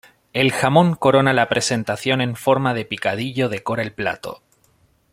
El jamón corona la presentación en forma de picadillo decora el plato.